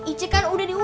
ije kan udah di rumah